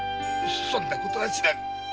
そんなことは知らん！